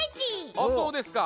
あっそうですか。